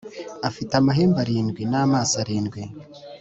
afite amahembe arindwi n’amaso arindwi